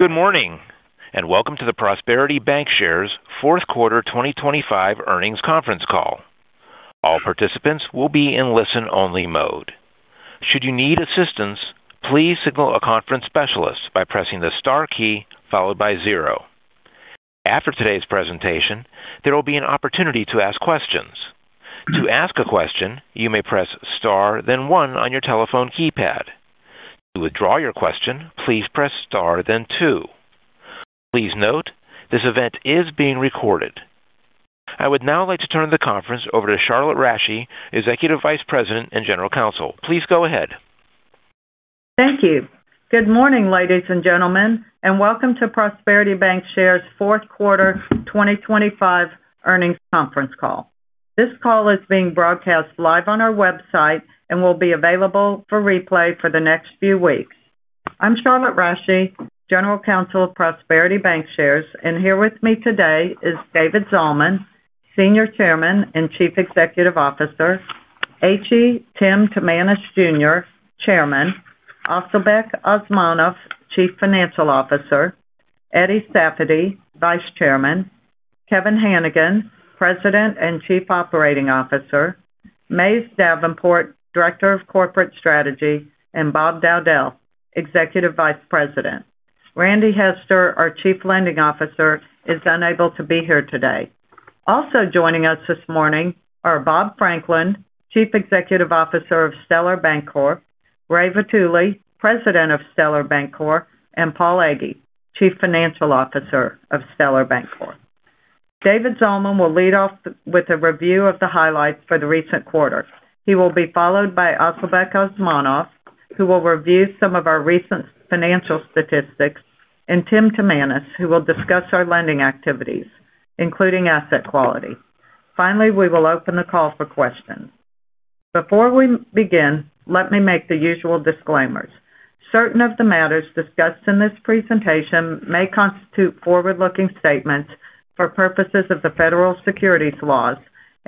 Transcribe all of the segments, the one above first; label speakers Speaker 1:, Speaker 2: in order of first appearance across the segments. Speaker 1: Good morning, and welcome to the Prosperity Bancshares' fourth quarter 2025 Earnings Conference Call. All participants will be in listen-only mode. Should you need assistance, please signal a conference specialist by pressing the star key followed by zero. After today's presentation, there will be an opportunity to ask questions. To ask a question, you may press Star, then one on your telephone keypad. To withdraw your question, please press Star then two. Please note, this event is being recorded. I would now like to turn the conference over to Charlotte Rasche, Executive Vice President and General Counsel. Please go ahead.
Speaker 2: Thank you. Good morning, ladies and gentlemen, and welcome to Prosperity Bancshares' fourth quarter 2025 earnings conference call. This call is being broadcast live on our website and will be available for replay for the next few weeks. I'm Charlotte Rasche, General Counsel of Prosperity Bancshares, and here with me today is David Zalman, Senior Chairman and Chief Executive Officer, H.E. Tim Timanus Jr., Chairman, Asylbek Osmonov, Chief Financial Officer, Eddie Safady, Vice Chairman, Kevin Hanigan, President and Chief Operating Officer, Mays Davenport, Director of Corporate Strategy, and Bob Dowdell, Executive Vice President. Randy Hester, our Chief Lending Officer, is unable to be here today. Also joining us this morning are Bob Franklin, Chief Executive Officer of Stellar Bancorp, Ray Vitulli, President of Stellar Bancorp, and Paul Egge, Chief Financial Officer of Stellar Bancorp. David Zalman will lead off with a review of the highlights for the recent quarter. He will be followed by Asylbek Osmonov, who will review some of our recent financial statistics, and Tim Timanus, who will discuss our lending activities, including asset quality. Finally, we will open the call for questions. Before we begin, let me make the usual disclaimers. Certain of the matters discussed in this presentation may constitute forward-looking statements for purposes of the federal securities laws,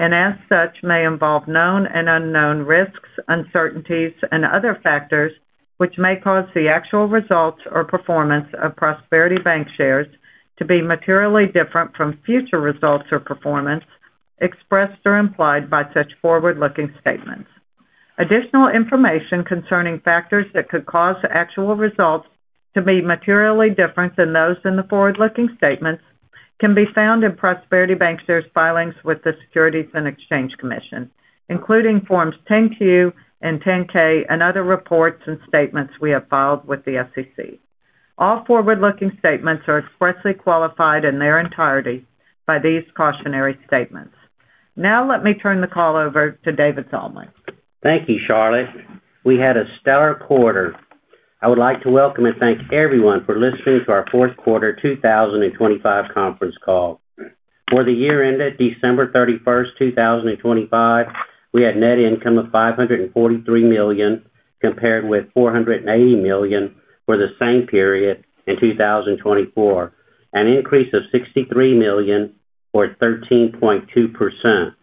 Speaker 2: and as such, may involve known and unknown risks, uncertainties, and other factors which may cause the actual results or performance of Prosperity Bancshares to be materially different from future results or performance expressed or implied by such forward-looking statements. Additional information concerning factors that could cause the actual results to be materially different than those in the forward-looking statements can be found in Prosperity Bancshares' filings with the Securities and Exchange Commission, including Forms 10-Q and 10-K and other reports and statements we have filed with the SEC. All forward-looking statements are expressly qualified in their entirety by these cautionary statements. Now let me turn the call over to David Zalman.
Speaker 3: Thank you, Charlotte. We had a stellar quarter. I would like to welcome and thank everyone for listening to our fourth quarter 2025 conference call. For the year ended December 31, 2025, we had net income of $543 million, compared with $480 million for the same period in 2024, an increase of $63 million or 13.2%.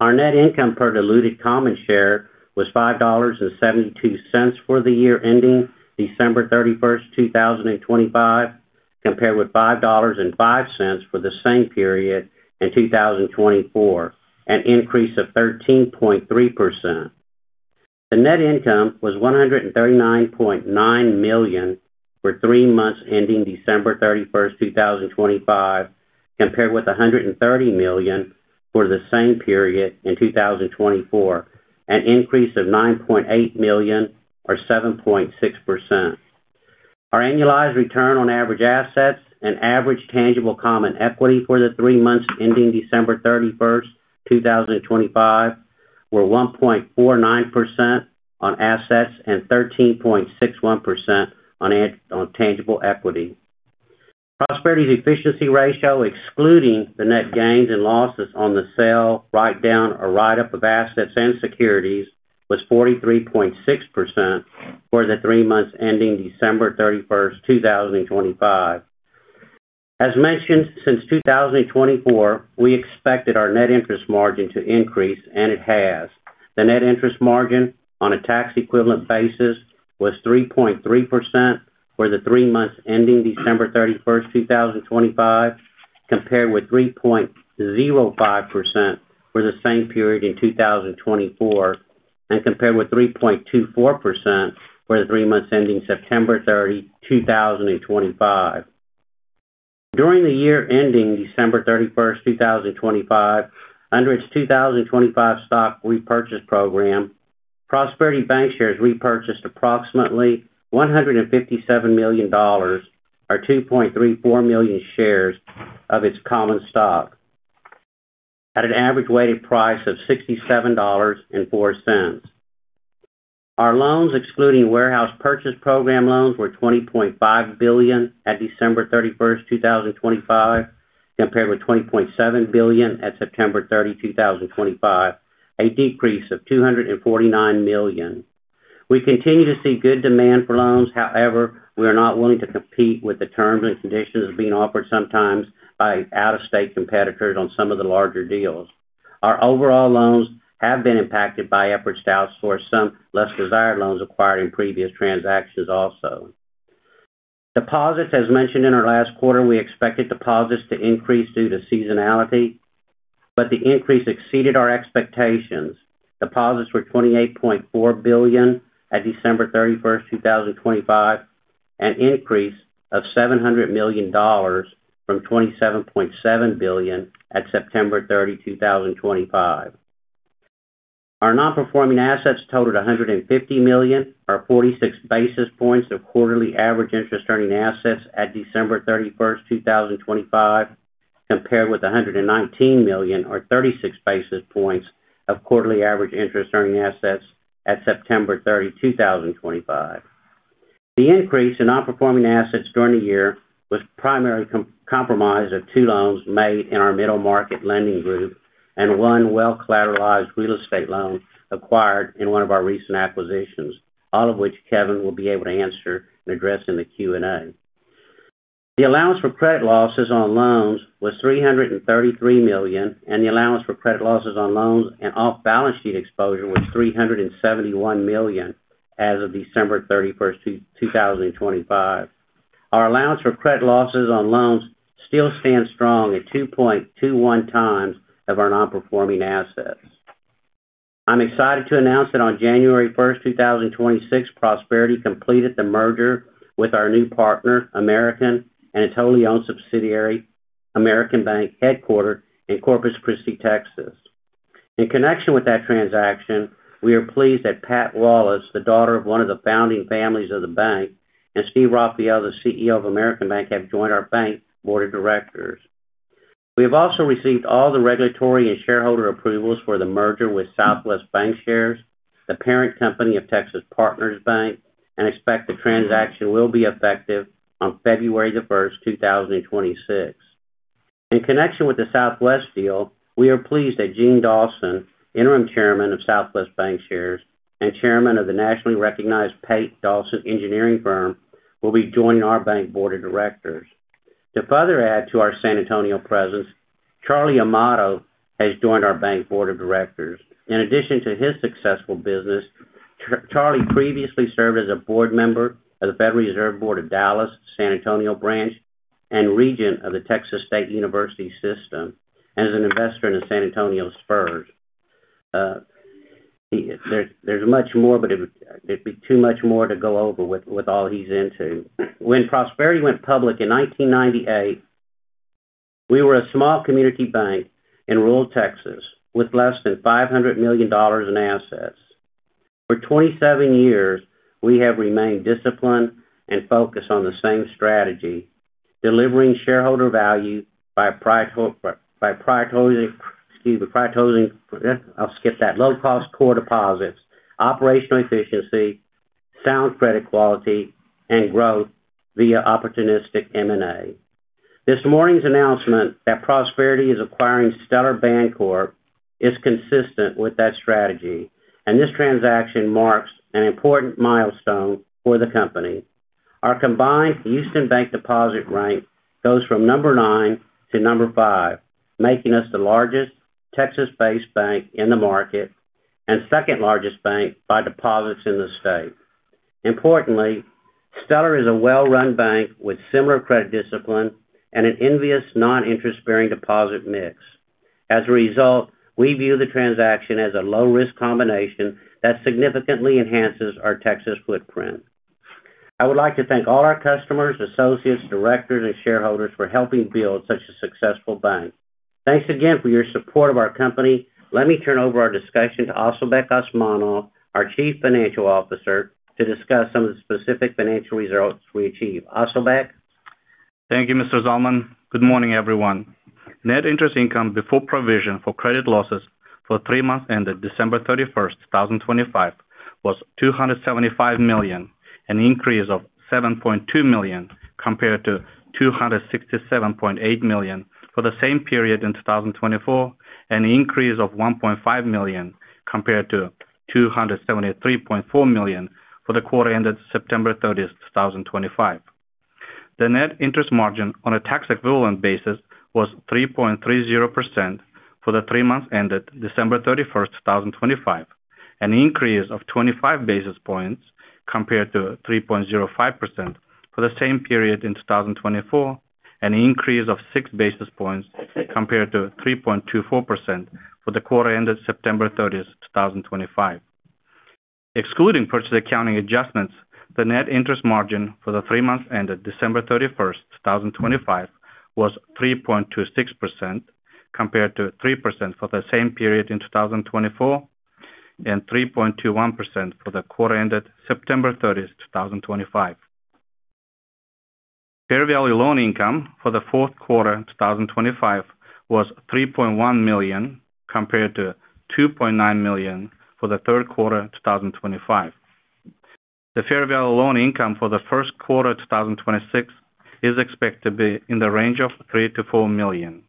Speaker 3: Our net income per diluted common share was $5.72 for the year ending December 31, 2025, compared with $5.05 for the same period in 2024, an increase of 13.3%. The net income was $139.9 million for three months, ending December 31, 2025, compared with $130 million for the same period in 2024, an increase of $9.8 million or 7.6%. Our annualized return on average assets and average tangible common equity for the three months ending December 31, 2025, were 1.49% on assets and 13.61% on tangible equity. Prosperity's efficiency ratio, excluding the net gains and losses on the sale, write down or write up of assets and securities, was 43.6% for the three months ending December 31, 2025. As mentioned, since 2024, we expected our net interest margin to increase, and it has. The net interest margin on a tax equivalent basis was 3.3% for the three months ending December 31, 2025, compared with 3.05% for the same period in 2024, and compared with 3.24% for the three months ending September 30, 2025. During the year ending December 31, 2025, under its 2025 stock repurchase program, Prosperity Bancshares repurchased approximately $157 million, or 2.34 million shares of its common stock at an average weighted price of $67.04. Our loans, excluding warehouse purchase program loans, were $20.5 billion at December 31, 2025, compared with $20.7 billion at September 30, 2025, a decrease of $249 million. We continue to see good demand for loans. However, we are not willing to compete with the terms and conditions being offered sometimes by out-of-state competitors on some of the larger deals. Our overall loans have been impacted by efforts to outsource some less desired loans acquired in previous transactions also. Deposits, as mentioned in our last quarter, we expected deposits to increase due to seasonality, but the increase exceeded our expectations. Deposits were $28.4 billion at December 31, 2025, an increase of $700 million from $27.7 billion at September 30, 2025. Our nonperforming assets totaled $150 million, or 46 basis points of quarterly average interest earning assets at December 31, 2025, compared with $119 million, or 36 basis points of quarterly average interest earning assets at September 30, 2025. The increase in nonperforming assets during the year was primarily comprised of two loans made in our middle market lending group and one well-collateralized real estate loan acquired in one of our recent acquisitions, all of which Kevin will be able to answer and address in the Q&A. The allowance for credit losses on loans was $333 million, and the allowance for credit losses on loans and off-balance sheet exposure was $371 million as of December 31, 2025. Our allowance for credit losses on loans still stands strong at 2.21 times our non-performing assets. I'm excited to announce that on January 1, 2026, Prosperity completed the merger with our new partner, American, and a wholly owned subsidiary, American Bank, headquartered in Corpus Christi, Texas. In connection with that transaction, we are pleased that Pat Wallace, the daughter of one of the founding families of the bank, and Steve Raffaele, the CEO of American Bank, have joined our bank board of directors. We have also received all the regulatory and shareholder approvals for the merger with Southwest Bancshares, the parent company of Texas Partners Bank, and expect the transaction will be effective on February 1, 2026. In connection with the Southwest deal, we are pleased that Gene Dawson, interim chairman of Southwest Bancshares and chairman of the nationally recognized Pape-Dawson engineering firm, will be joining our bank board of directors. To further add to our San Antonio presence, Charlie Amato has joined our bank board of directors. In addition to his successful business, Charlie previously served as a board member of the Federal Reserve Bank of Dallas, San Antonio Branch, and regent of the Texas State University System, and is an investor in the San Antonio Spurs. There's much more, but it would, it'd be too much more to go over with all he's into. When Prosperity went public in 1998, we were a small community bank in rural Texas with less than $500 million in assets. For 27 years, we have remained disciplined and focused on the same strategy, delivering shareholder value by prioritizing low-cost core deposits, operational efficiency, sound credit quality, and growth via opportunistic M&A. This morning's announcement that Prosperity is acquiring Stellar Bancorp is consistent with that strategy, and this transaction marks an important milestone for the company. Our combined Houston bank deposit rank goes from number 9 to number 5, making us the largest Texas-based bank in the market and second-largest bank by deposits in the state. Importantly, Stellar is a well-run bank with similar credit discipline and an envious non-interest-bearing deposit mix. As a result, we view the transaction as a low-risk combination that significantly enhances our Texas footprint. I would like to thank all our customers, associates, directors and shareholders for helping build such a successful bank. Thanks again for your support of our company. Let me turn over our discussion to Asylbek Osmonov, our Chief Financial Officer, to discuss some of the specific financial results we achieved. Asylbek?
Speaker 4: Thank you, Mr. Zalman. Good morning, everyone. Net interest income before provision for credit losses for three months ended December 31, 2025, was $275 million, an increase of $7.2 million compared to $267.8 million for the same period in 2024, an increase of $1.5 million compared to $273.4 million for the quarter ended September 30, 2025. The net interest margin on a tax equivalent basis was 3.30% for the three months ended December 31, 2025, an increase of 25 basis points compared to 3.05% for the same period in 2024, an increase of 6 basis points compared to 3.24% for the quarter ended September 30, 2025. Excluding purchase accounting adjustments, the net interest margin for the three months ended December 31, 2025, was 3.26%, compared to 3% for the same period in 2024, and 3.21% for the quarter ended September 30, 2025. Fair value loan income for the fourth quarter, 2025, was $3.1 million, compared to $2.9 million for the third quarter, 2025. The fair value loan income for the first quarter, 2026, is expected to be in the range of $3 million-$4 million.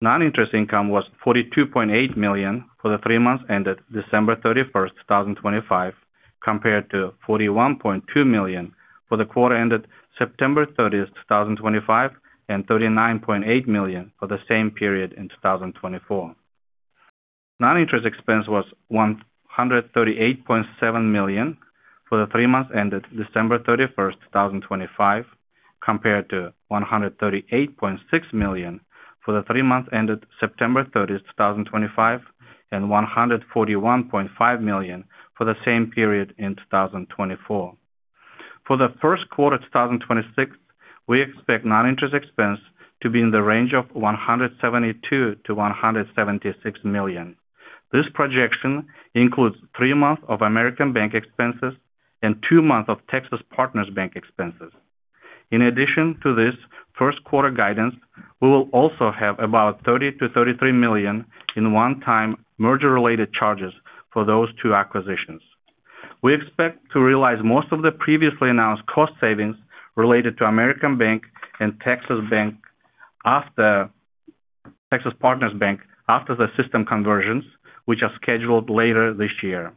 Speaker 4: Non-interest income was $42.8 million for the three months ended December 31, 2025, compared to $41.2 million for the quarter ended September 30, 2025, and $39.8 million for the same period in 2024. Non-interest expense was $138.7 million for the three months ended December 31, 2025, compared to $138.6 million for the three months ended September 30, 2025, and $141.5 million for the same period in 2024. For the first quarter of 2026, we expect non-interest expense to be in the range of $172 million-$176 million. This projection includes three months of American Bank expenses and two months of Texas Partners Bank expenses. In addition to this first quarter guidance, we will also have about $30 million-$33 million in one-time merger-related charges for those two acquisitions. We expect to realize most of the previously announced cost savings related to American Bank and Texas Partners Bank after the system conversions, which are scheduled later this year.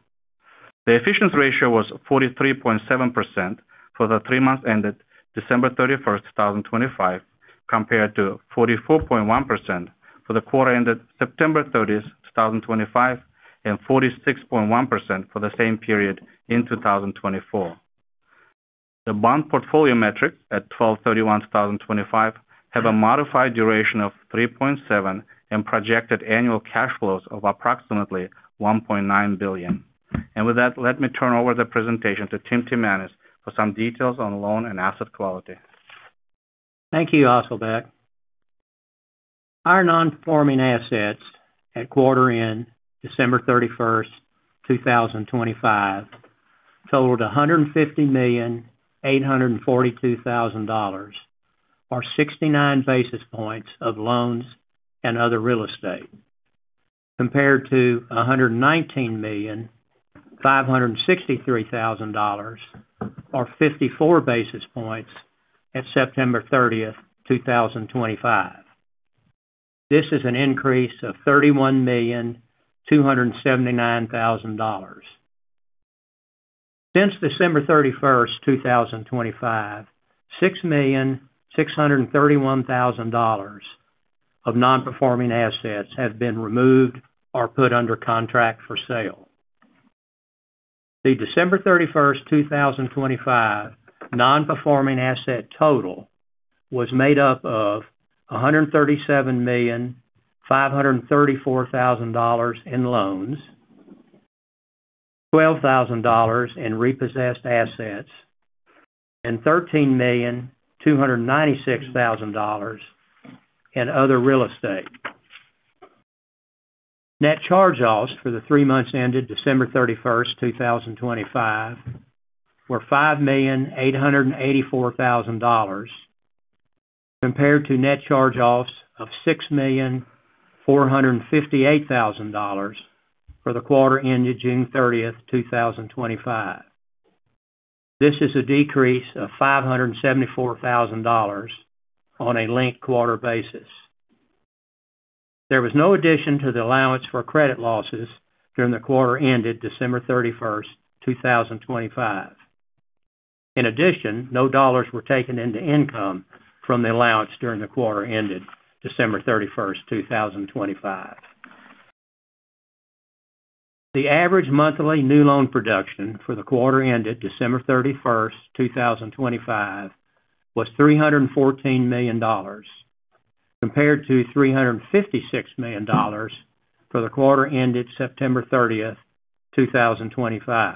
Speaker 4: The efficiency ratio was 43.7% for the three months ended December 31, 2025, compared to 44.1% for the quarter ended September 30, 2025, and 46.1% for the same period in 2024. The bond portfolio metric at 12/31/2025 have a modified duration of 3.7 and projected annual cash flows of approximately $1.9 billion. And with that, let me turn over the presentation to Tim Timanus for some details on loan and asset quality.
Speaker 5: Thank you, Asylbek. Our non-performing assets at quarter end, December 31, 2025, totaled $150,842,000, or 69 basis points of loans and other real estate, compared to $119,563,000, or 54 basis points at September 30, 2025. This is an increase of $31,279,000. Since December 31, 2025, $6,631,000 of non-performing assets have been removed or put under contract for sale. The December 31, 2025, non-performing asset total was made up of $137,534,000 in loans, $12,000 in repossessed assets, and $13,296,000 in other real estate. Net charge-offs for the three months ended December 31, 2025, were $5,884,000, compared to net charge-offs of $6,458,000 for the quarter ended June 30, 2025. This is a decrease of $574,000 on a linked-quarter basis. There was no addition to the allowance for credit losses during the quarter ended December 31, 2025. In addition, no dollars were taken into income from the allowance during the quarter ended December 31, 2025. The average monthly new loan production for the quarter ended December 31, 2025, was $314 million, compared to $356 million for the quarter ended September 30, 2025.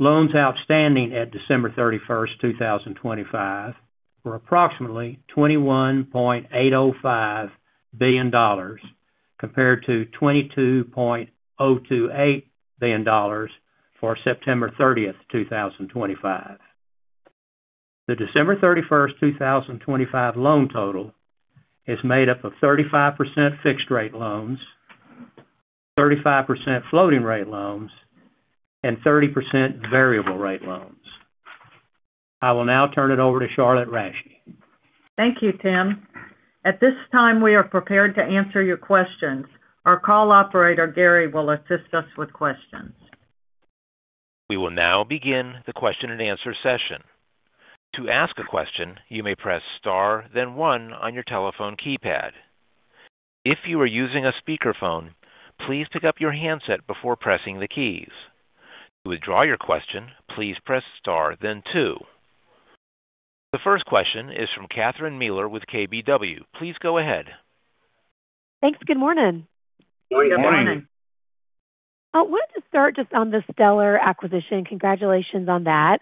Speaker 5: Loans outstanding at December 31, 2025, were approximately $21.805 billion, compared to $22.028 billion for September 30, 2025. The December 31, 2025, loan total is made up of 35% fixed rate loans, 35% floating rate loans, and 30% variable rate loans. I will now turn it over to Charlotte Rasche.
Speaker 6: Thank you, Tim. At this time, we are prepared to answer your questions. Our call operator, Gary, will assist us with questions.
Speaker 1: We will now begin the question and answer session. To ask a question, you may press star, then one on your telephone keypad. If you are using a speakerphone, please pick up your handset before pressing the keys. To withdraw your question, please press star then two. The first question is from Catherine Mealor with KBW. Please go ahead.
Speaker 7: Thanks. Good morning.
Speaker 5: Good morning.
Speaker 7: I wanted to start just on the Stellar acquisition. Congratulations on that.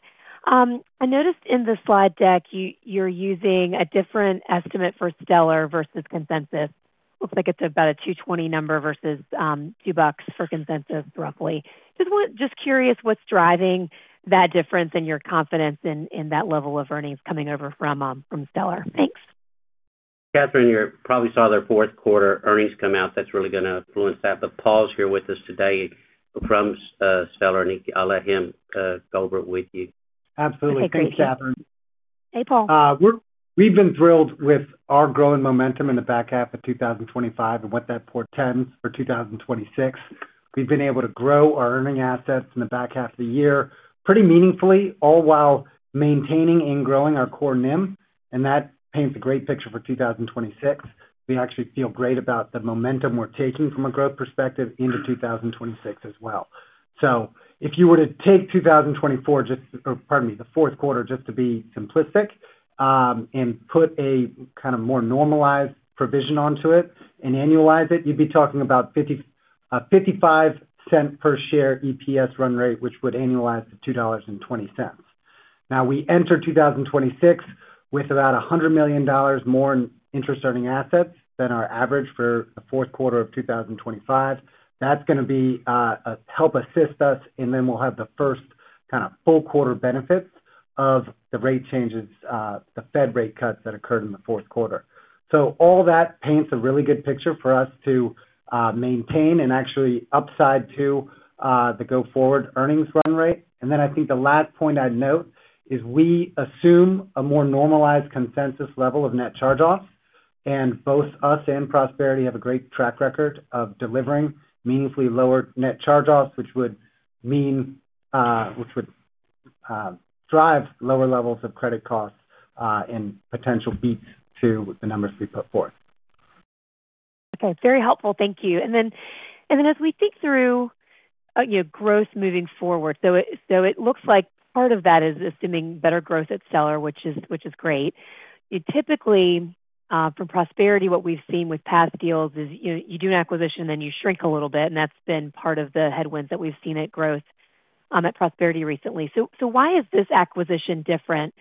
Speaker 7: I noticed in the slide deck you, you're using a different estimate for Stellar versus consensus. Looks like it's about a $2.20 number versus $2 for consensus, roughly. Just curious what's driving that difference and your confidence in that level of earnings coming over from Stellar. Thanks.
Speaker 5: Catherine, you probably saw their fourth quarter earnings come out. That's really going to influence that, but Paul's here with us today from Stellar, and I'll let him go over it with you.
Speaker 8: Absolutely. Thanks, Catherine....
Speaker 7: Hey, Paul.
Speaker 9: We've been thrilled with our growing momentum in the back half of 2025 and what that portends for 2026. We've been able to grow our earning assets in the back half of the year pretty meaningfully, all while maintaining and growing our core NIM, and that paints a great picture for 2026. We actually feel great about the momentum we're taking from a growth perspective into 2026 as well. So if you were to take 2024, just, or pardon me, the fourth quarter, just to be simplistic, and put a kind of more normalized provision onto it and annualize it, you'd be talking about $0.55 per share EPS run rate, which would annualize to $2.20. Now, we enter 2026 with about $100 million more in interest-earning assets than our average for the fourth quarter of 2025. That's gonna be, help assist us, and then we'll have the first kind of full quarter benefits of the rate changes, the Fed rate cuts that occurred in the fourth quarter. So all that paints a really good picture for us to, maintain and actually upside to, the go-forward earnings run rate. And then I think the last point I'd note is we assume a more normalized consensus level of net charge-offs, and both us and Prosperity have a great track record of delivering meaningfully lower net charge-offs, which would mean, which would, drive lower levels of credit costs, and potential beats to the numbers we put forth.
Speaker 7: Okay, very helpful. Thank you. And then as we think through, you know, growth moving forward, so it looks like part of that is assuming better growth at Stellar, which is great. You typically, from Prosperity, what we've seen with past deals is you do an acquisition, then you shrink a little bit, and that's been part of the headwinds that we've seen at growth at Prosperity recently. So why is this acquisition different?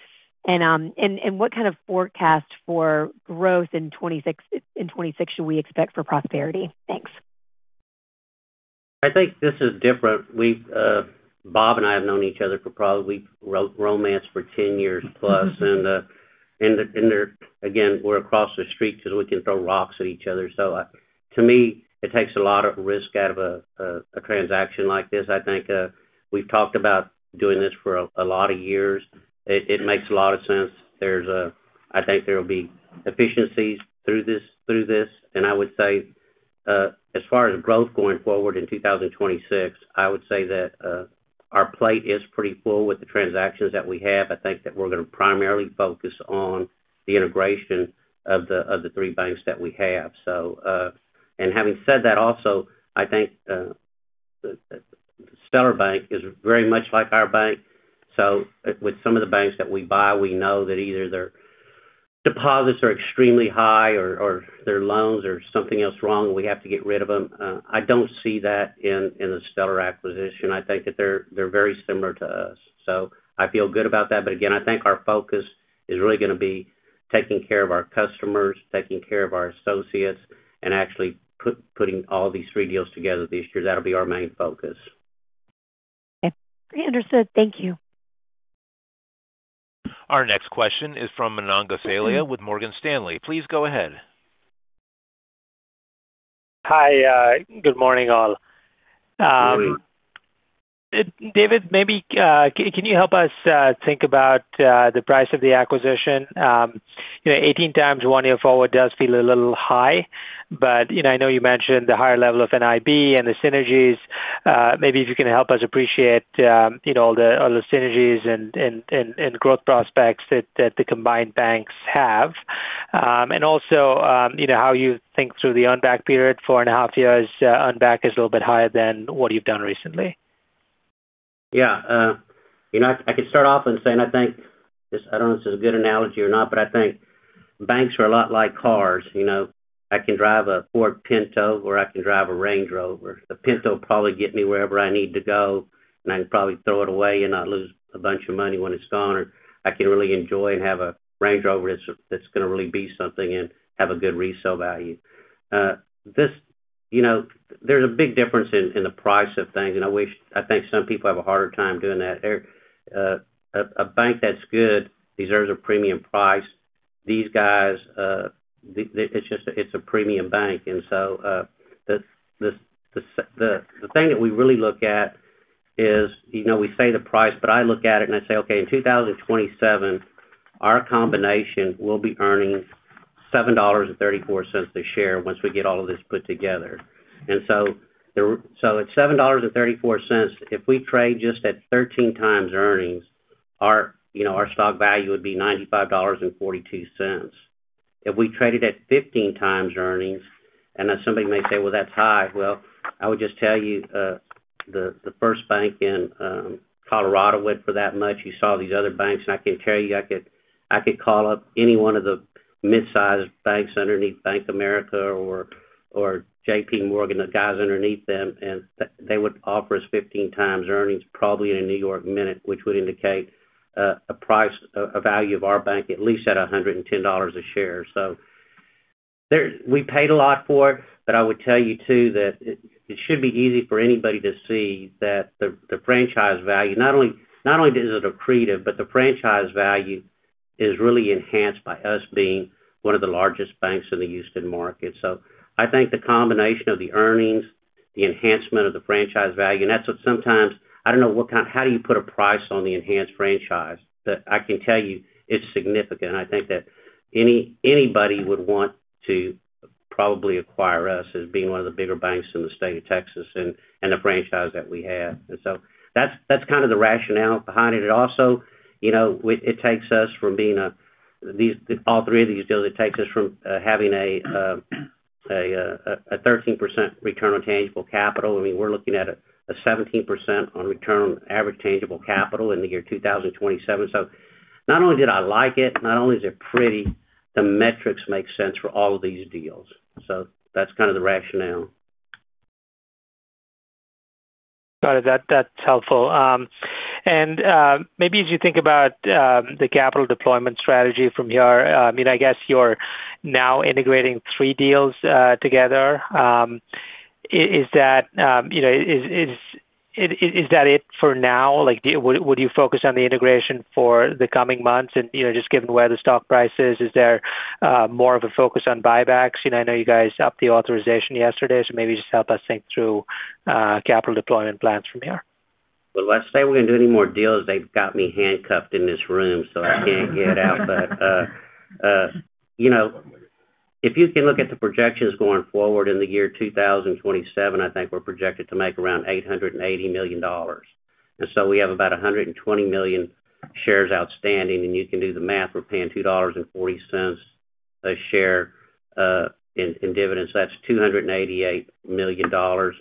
Speaker 7: And what kind of forecast for growth in 2026, in 2026 should we expect for Prosperity? Thanks.
Speaker 3: I think this is different. We've, Bob and I have known each other for probably around 10 years plus. And, and there, again, we're across the street, so we can throw rocks at each other. So, to me, it takes a lot of risk out of a transaction like this. I think, we've talked about doing this for a lot of years. It makes a lot of sense. There's -- I think there will be efficiencies through this, through this. And I would say, as far as growth going forward in 2026, I would say that, our plate is pretty full with the transactions that we have. I think that we're gonna primarily focus on the integration of the three banks that we have. So, and having said that, also, I think the Stellar Bank is very much like our bank, so with some of the banks that we buy, we know that either their deposits are extremely high or their loans, there's something else wrong, and we have to get rid of them. I don't see that in the Stellar acquisition. I think that they're very similar to us. So I feel good about that. But again, I think our focus is really gonna be taking care of our customers, taking care of our associates, and actually putting all these three deals together this year. That'll be our main focus.
Speaker 7: Okay. Understood. Thank you.
Speaker 1: Our next question is from Manan Gosalia with Morgan Stanley. Please go ahead.
Speaker 10: Hi, good morning, all. David, maybe, can you help us think about the price of the acquisition? You know, 18 times one-year forward does feel a little high, but, you know, I know you mentioned the higher level of NII and the synergies. Maybe if you can help us appreciate, you know, all the synergies and growth prospects that the combined banks have. And also, you know, how you think through the earn back period, 4.5 years, earn back is a little bit higher than what you've done recently.
Speaker 3: Yeah, you know, I can start off in saying I think, this, I don't know if this is a good analogy or not, but I think banks are a lot like cars. You know, I can drive a Ford Pinto or I can drive a Range Rover. A Pinto will probably get me wherever I need to go, and I can probably throw it away and not lose a bunch of money when it's gone, or I can really enjoy and have a Range Rover that's, that's gonna really be something and have a good resale value. You know, there's a big difference in, in the price of things, and I wish-- I think some people have a harder time doing that. A bank that's good deserves a premium price. These guys, the, it's just a, it's a premium bank. The thing that we really look at is, you know, we say the price, but I look at it and I say, okay, in 2027, our combination will be earning $7.34 a share once we get all of this put together. So at $7.34, if we trade just at 13x earnings, our, you know, our stock value would be $95.42. If we traded at 15x earnings, and then somebody may say, "Well, that's high." Well, I would just tell you, the first bank in Colorado went for that much. You saw these other banks, and I can tell you, I could, I could call up any one of the mid-sized banks underneath Bank of America or, or J.P. Morgan, the guys underneath them, and they would offer us 15 times earnings, probably in a New York minute, which would indicate a price, a value of our bank at least at $110 a share. So there—we paid a lot for it, but I would tell you, too, that it, it should be easy for anybody to see that the, the franchise value, not only, not only is it accretive, but the franchise value is really enhanced by us being one of the largest banks in the Houston market. So I think the combination of the earnings-... the enhancement of the franchise value, and that's what sometimes, I don't know, what kind—how do you put a price on the enhanced franchise? But I can tell you it's significant, and I think that any, anybody would want to probably acquire us as being one of the bigger banks in the state of Texas and, and the franchise that we have. And so that's, that's kind of the rationale behind it. It also, you know, it, it takes us from being a—these, all three of these deals, it takes us from having a 13% return on tangible capital. I mean, we're looking at a 17% return on average tangible capital in the year 2027. So not only did I like it, not only is it pretty, the metrics make sense for all of these deals. That's kind of the rationale.
Speaker 10: Got it. That, that's helpful. And, maybe as you think about, the capital deployment strategy from here, I mean, I guess you're now integrating three deals, together. Is that, you know, is that it for now? Like, would you focus on the integration for the coming months? And, you know, just given where the stock price is, is there, more of a focus on buybacks? You know, I know you guys upped the authorization yesterday, so maybe just help us think through, capital deployment plans from here.
Speaker 3: Well, let's say we're gonna do any more deals, they've got me handcuffed in this room, so I can't get out. But you know, if you can look at the projections going forward in the year 2027, I think we're projected to make around $880 million. And so we have about 120 million shares outstanding, and you can do the math. We're paying $2.40 a share in dividends. So that's $288 million or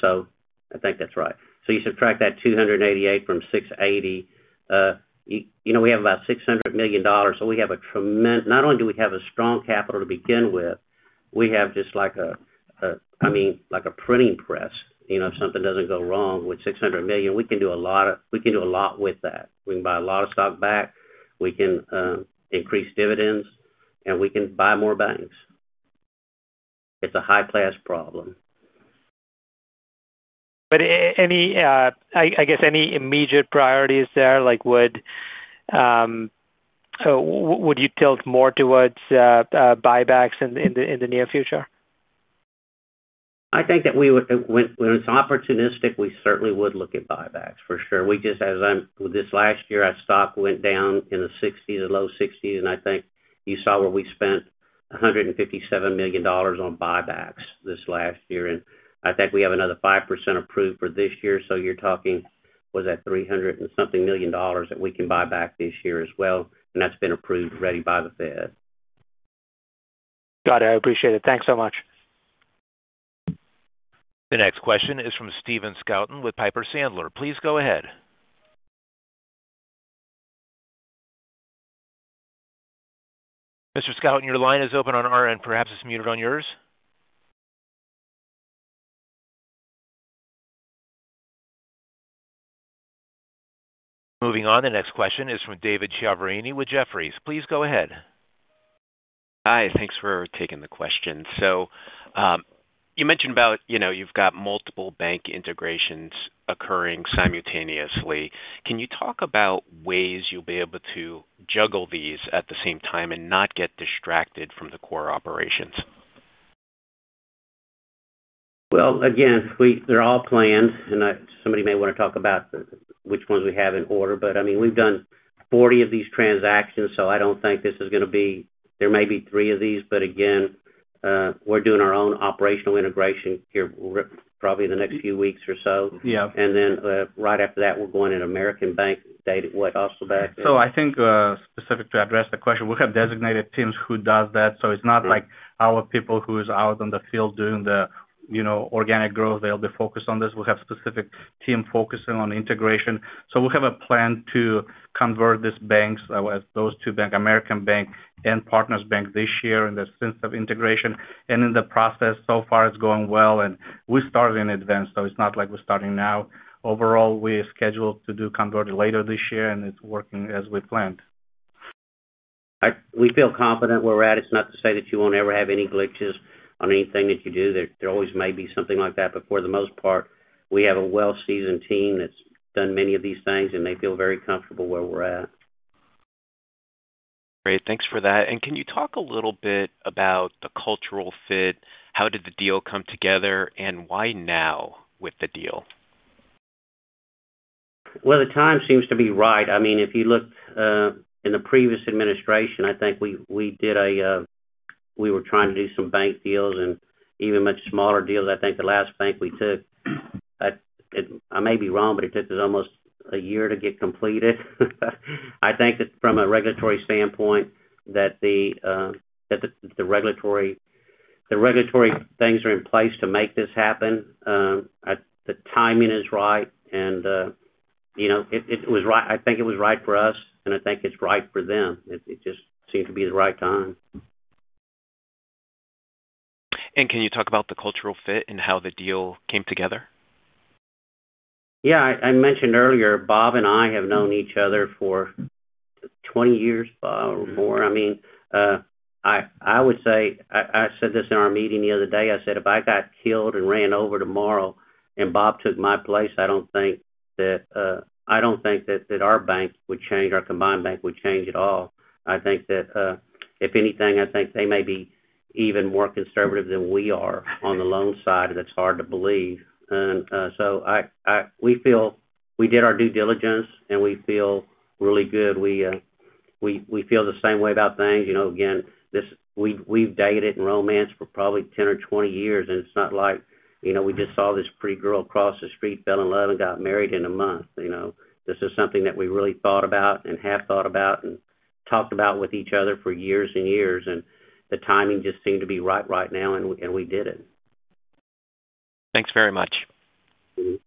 Speaker 3: so. I think that's right. So you subtract that 288 from 680, you know, we have about $600 million, so we have a tremendous... Not only do we have a strong capital to begin with, we have just like a, I mean, like a printing press. You know, if something doesn't go wrong with $600 million, we can do a lot with that. We can buy a lot of stock back, we can increase dividends, and we can buy more banks. It's a high-class problem.
Speaker 10: But any immediate priorities there? Like, would you tilt more towards buybacks in the near future?
Speaker 3: I think that we would, when it's opportunistic, we certainly would look at buybacks, for sure. We just, as I'm—with this last year, our stock went down in the $60s, the low $60s, and I think you saw where we spent $157 million on buybacks this last year, and I think we have another 5% approved for this year. So you're talking, was that $300-something million that we can buy back this year as well, and that's been approved already by the Fed.
Speaker 10: Got it. I appreciate it. Thanks so much.
Speaker 1: The next question is from Stephen Scouten with Piper Sandler. Please go ahead. Mr. Scouten, your line is open on our end. Perhaps it's muted on yours. Moving on, the next question is from David Chiaverini with Jefferies. Please go ahead.
Speaker 11: Hi, thanks for taking the question. So, you mentioned about, you know, you've got multiple bank integrations occurring simultaneously. Can you talk about ways you'll be able to juggle these at the same time and not get distracted from the core operations?
Speaker 3: Well, again, they're all planned, and somebody may want to talk about the which ones we have in order, but I mean, we've done 40 of these transactions, so I don't think this is gonna be... There may be three of these, but again, we're doing our own operational integration here, rip, probably in the next few weeks or so.
Speaker 11: Yeah.
Speaker 3: And then, right after that, we're going into American Bank, David, what, also back then?
Speaker 10: So I think, specific to address the question, we have designated teams who does that. So it's not like our people who is out in the field doing the, you know, organic growth, they'll be focused on this. We have specific team focusing on integration. So we have a plan to convert these banks, those two bank, American Bank and Partners Bank this year, in the sense of integration. And in the process, so far it's going well, and we started in advance, so it's not like we're starting now. Overall, we are scheduled to do conversion later this year, and it's working as we planned.
Speaker 3: We feel confident where we're at. It's not to say that you won't ever have any glitches on anything that you do. There always may be something like that, but for the most part, we have a well-seasoned team that's done many of these things, and they feel very comfortable where we're at.
Speaker 11: Great. Thanks for that. Can you talk a little bit about the cultural fit? How did the deal come together, and why now with the deal?
Speaker 3: Well, the time seems to be right. I mean, if you look in the previous administration, I think we were trying to do some bank deals and even much smaller deals. I think the last bank we took, I may be wrong, but it took us almost a year to get completed. I think that from a regulatory standpoint, the regulatory things are in place to make this happen. The timing is right and, you know, it was right—I think it was right for us, and I think it's right for them. It just seemed to be the right time.
Speaker 11: Can you talk about the cultural fit and how the deal came together?
Speaker 3: Yeah. I mentioned earlier, Bob and I have known each other for 20 years or more. I mean, I would say, I said this in our meeting the other day. I said, "If I got killed and ran over tomorrow, and Bob took my place, I don't think that our bank would change, our combined bank would change at all. I think that, if anything, I think they may be even more conservative than we are on the loan side, and that's hard to believe. So we feel we did our due diligence, and we feel really good. We feel the same way about things. You know, again, this. We've dated and romanced for probably 10 or 20 years, and it's not like, you know, we just saw this pretty girl across the street, fell in love, and got married in a month, you know? This is something that we really thought about and have thought about and talked about with each other for years and years, and the timing just seemed to be right, right now, and we did it.
Speaker 11: Thanks very much.
Speaker 1: The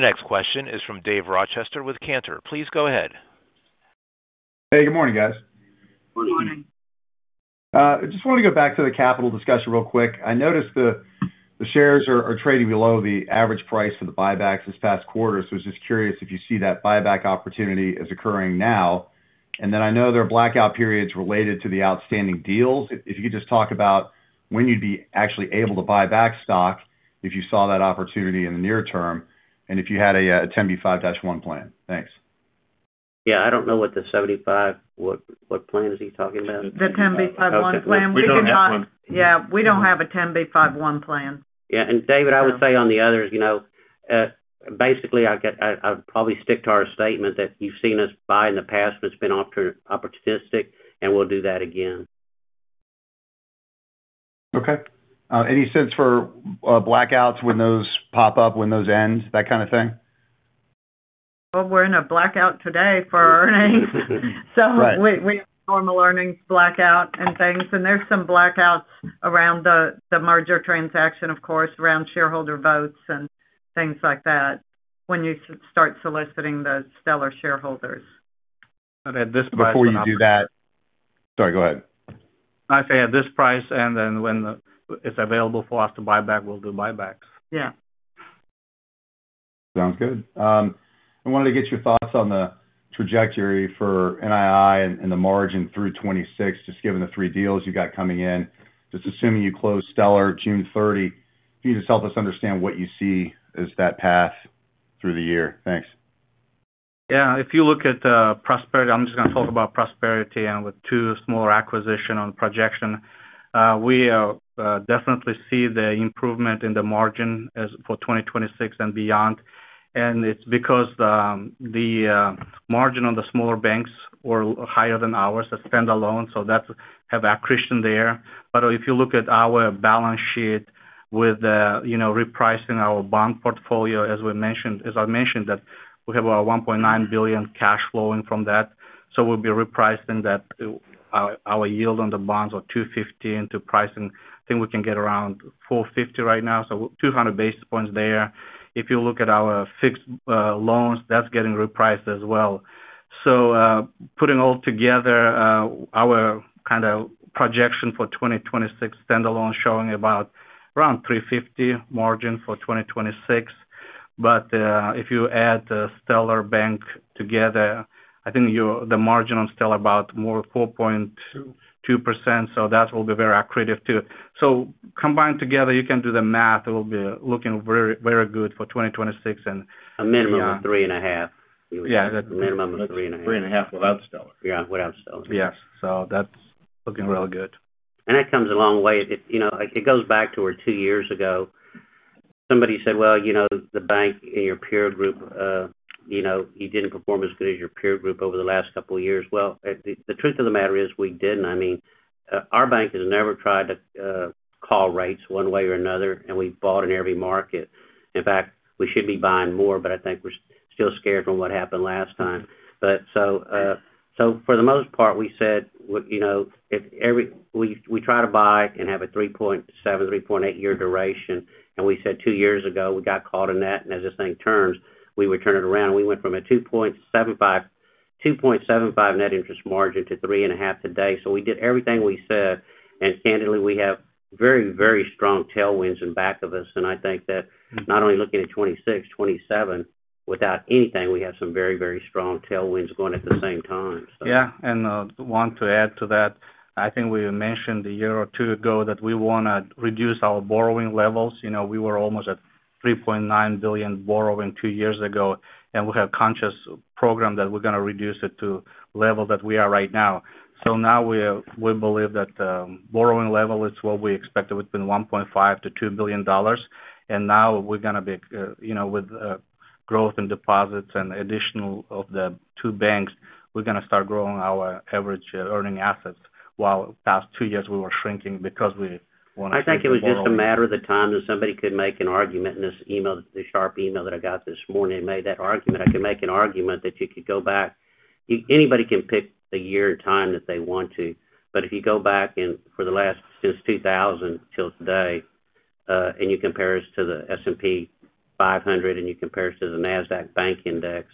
Speaker 1: next question is from David Rochester with Cantor. Please go ahead.
Speaker 12: Hey, good morning, guys.
Speaker 3: Good morning. I just wanted to go back to the capital discussion real quick. I noticed the shares are trading below the average price of the buybacks this past quarter. So I was just curious if you see that buyback opportunity as occurring now? And then I know there are blackout periods related to the outstanding deals. If you could just talk about when you'd be actually able to buy back stock if you saw that opportunity in the near term, and if you had a 10b5-1 plan. Thanks. Yeah, I don't know what the 75... What, what plan is he talking about?
Speaker 2: The 10b5-1 plan.
Speaker 3: We don't have one.
Speaker 2: Yeah, we don't have a 10b5-1 plan.
Speaker 3: Yeah, and David, I would say on the others, you know, basically, I'd probably stick to our statement that you've seen us buy in the past when it's been opportunistic, and we'll do that again.
Speaker 12: Okay. Any sense for blackouts, when those pop up, when those end, that kind of thing?
Speaker 2: Well, we're in a blackout today for earnings.
Speaker 3: Right.
Speaker 2: So we have formal earnings blackout and things, and there's some blackouts around the merger transaction, of course, around shareholder votes and things like that, when you start soliciting the Stellar shareholders.
Speaker 4: But at this price-
Speaker 12: Before you do that... Sorry, go ahead.
Speaker 4: I say at this price, and then when it's available for us to buy back, we'll do buybacks.
Speaker 3: Yeah.
Speaker 12: Sounds good. I wanted to get your thoughts on the trajectory for NII and, and the margin through 2026, just given the three deals you got coming in. Just assuming you close Stellar June 30, can you just help us understand what you see as that path through the year? Thanks.
Speaker 4: Yeah. If you look at Prosperity, I'm just going to talk about Prosperity and with two smaller acquisition on projection. We definitely see the improvement in the margin as for 2026 and beyond. And it's because the margin on the smaller banks were higher than ours, the standalone, so that's have accretion there. But if you look at our balance sheet with, you know, repricing our bond portfolio, as we mentioned, as I mentioned, that we have $1.9 billion cash flowing from that, so we'll be repricing that. Our yield on the bonds are 2.50 into pricing. I think we can get around 4.50 right now, so 200 basis points there. If you look at our fixed loans, that's getting repriced as well. So, putting all together, our kind of projection for 2026, standalone, showing about around 3.50 margin for 2026. But, if you add the Stellar Bank together, I think you're the margin on Stellar about more 4.2%, so that will be very accretive, too. So combined together, you can do the math. It will be looking very, very good for 2026 and-
Speaker 3: A minimum of 3.5.
Speaker 4: Yeah.
Speaker 3: A minimum of 3.5.
Speaker 5: 3.5 without Stellar.
Speaker 3: Yeah, without Stellar.
Speaker 4: Yes. So that's looking really good.
Speaker 3: That comes a long way. It, you know, it goes back to where 2 years ago, somebody said: Well, you know, the bank in your peer group, you know, you didn't perform as good as your peer group over the last couple of years. Well, the truth of the matter is, we didn't. I mean, our bank has never tried to call rates one way or another, and we bought in every market. In fact, we should be buying more, but I think we're still scared from what happened last time. So for the most part, we said, you know, we try to buy and have a 3.7, 3.8 year duration, and we said 2 years ago, we got caught in that, and as this thing turns, we would turn it around. We went from a 2.75, 2.75 net interest margin to 3.5 today. So we did everything we said, and candidly, we have very, very strong tailwinds in back of us, and I think that not only looking at 2026, 2027, without anything, we have some very, very strong tailwinds going at the same time, so.
Speaker 4: Yeah, want to add to that. I think we mentioned a year or two ago that we wanna reduce our borrowing levels. You know, we were almost at $3.9 billion borrowing two years ago, and we have concerted program that we're gonna reduce it to level that we are right now. So now we are—we believe that, borrowing level is what we expected, within $1.5-$2 billion, and now we're gonna be, you know, with, growth in deposits and addition of the two banks, we're gonna start growing our average earning assets, while past two years we were shrinking because we wanna-
Speaker 3: I think it was just a matter of the time that somebody could make an argument, and this email, the sharp email that I got this morning made that argument. I can make an argument that you could go back... Anybody can pick the year and time that they want to, but if you go back and for the last, since 2000 till today, and you compare us to the S&P 500, and you compare us to the Nasdaq Bank Index,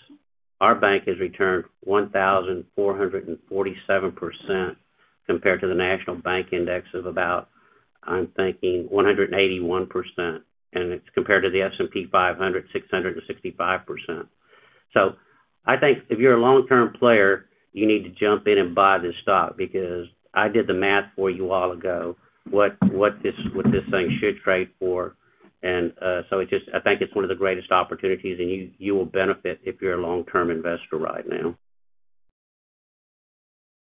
Speaker 3: our bank has returned 1,447% compared to the Nasdaq Bank Index of about, I'm thinking, 181%, and it's compared to the S&P 500, 665%. So I think if you're a long-term player, you need to jump in and buy this stock because I did the math for you a while ago, what, what this, what this thing should trade for. And, so it just. I think it's one of the greatest opportunities, and you, you will benefit if you're a long-term investor right now.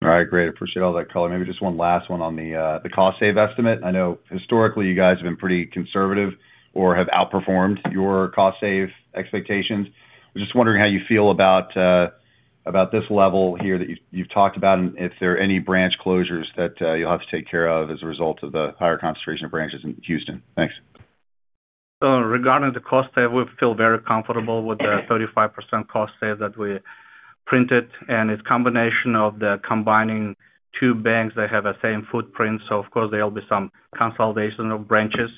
Speaker 12: All right, great. Appreciate all that color. Maybe just one last one on the, the cost save estimate. I know historically, you guys have been pretty conservative or have outperformed your cost save expectations. I'm just wondering how you feel about, about this level here that you've, you've talked about, and if there are any branch closures that, you'll have to take care of as a result of the higher concentration of branches in Houston. Thanks.
Speaker 4: So regarding the cost save, we feel very comfortable with the 35% cost save that we printed, and it's a combination of the combining two banks that have the same footprint, so of course, there'll be some consolidation of branches.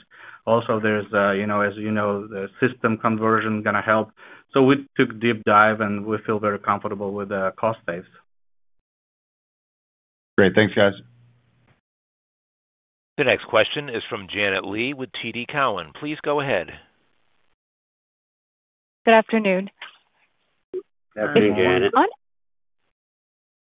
Speaker 4: Also, there's, you know, as you know, the system conversion going to help. So we took deep dive, and we feel very comfortable with the cost saves.
Speaker 12: Great. Thanks, guys.
Speaker 1: The next question is from Janet Lee with TD Cowen. Please go ahead.
Speaker 13: Good afternoon.
Speaker 3: Afternoon.
Speaker 4: Good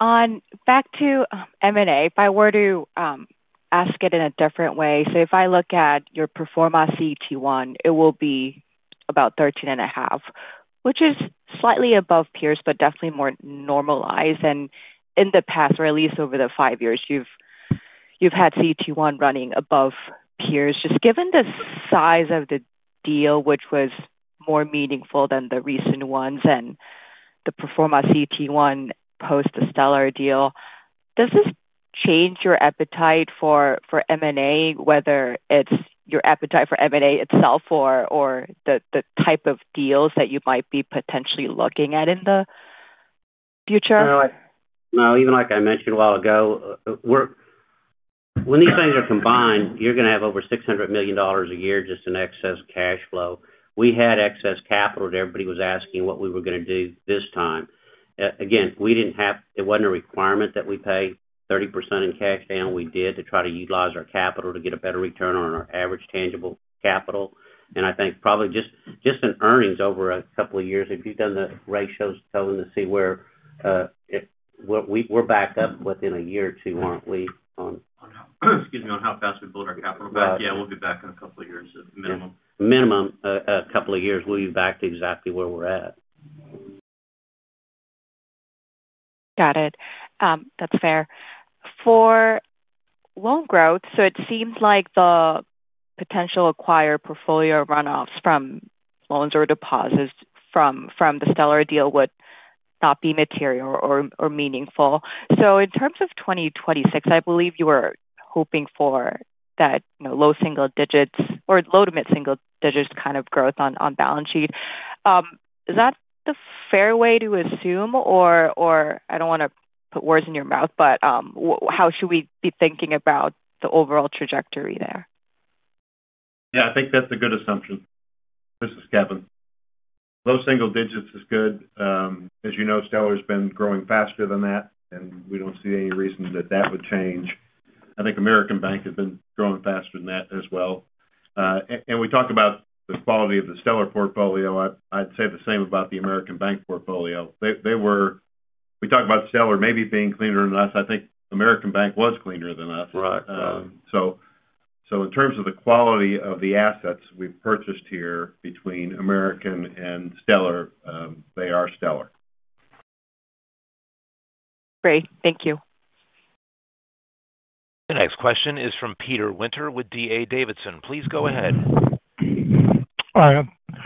Speaker 4: afternoon.
Speaker 13: Back to M&A, if I were to ask it in a different way. So if I look at your pro forma CET1, it will be about 13.5, which is slightly above peers, but definitely more normalized. In the past, or at least over the 5 years, you've had CET1 running above peers. Just given the size of the deal, which was more meaningful than the recent ones and the pro forma CET1 post the Stellar deal, does this change your appetite for M&A, whether it's your appetite for M&A itself or the type of deals that you might be potentially looking at in the future?
Speaker 3: No, even like I mentioned a while ago, we're, when these things are combined, you're going to have over $600 million a year just in excess cash flow. We had excess capital, and everybody was asking what we were going to do this time. Again, we didn't have, it wasn't a requirement that we pay 30% in cash down. We did to try to utilize our capital to get a better return on our average tangible capital. And I think probably just, just in earnings over a couple of years, if you've done the ratios telling to see where, if, what, we're back up within a year or two, aren't we, on-
Speaker 4: Excuse me, on how fast we build our capital back?
Speaker 3: Right.
Speaker 4: Yeah, we'll be back in a couple of years at minimum.
Speaker 3: Minimum, a couple of years, we'll be back to exactly where we're at.
Speaker 13: Got it. That's fair. For loan growth, so it seems like the potential acquired portfolio runoffs from loans or deposits from the Stellar deal would not be material or meaningful. So in terms of 2026, I believe you were hoping for that, you know, low single digits or low to mid single digits kind of growth on the balance sheet. Is that the fair way to assume? Or I don't want to put words in your mouth, but how should we be thinking about the overall trajectory there?
Speaker 14: Yeah, I think that's a good assumption. This is Kevin. Low single digits is good. As you know, Stellar's been growing faster than that, and we don't see any reason that that would change. I think American Bank has been growing faster than that as well. And we talked about the quality of the Stellar portfolio. I'd say the same about the American Bank portfolio. They were. We talked about Stellar maybe being cleaner than us. I think American Bank was cleaner than us.
Speaker 4: Right.
Speaker 14: So in terms of the quality of the assets we've purchased here between American and Stellar, they are stellar.
Speaker 13: Great. Thank you.
Speaker 1: The next question is from Peter Winter with D.A. Davidson. Please go ahead.
Speaker 15: Hi,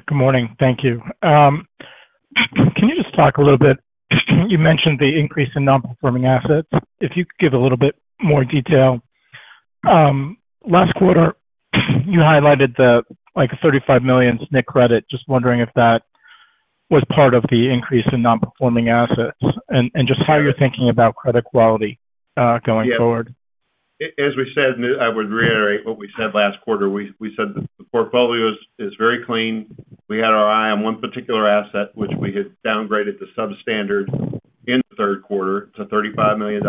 Speaker 15: good morning. Thank you. Can you just talk a little bit? You mentioned the increase in nonperforming assets. If you could give a little bit more detail. Last quarter, you highlighted the, like, $35 million SNC credit. Just wondering if that was part of the increase in nonperforming assets and, and just how you're thinking about credit quality going forward?
Speaker 14: Yes. As we said, and I would reiterate what we said last quarter, we, we said the portfolio is, is very clean. We had our eye on one particular asset, which we had downgraded to substandard in the third quarter. It's a $35 million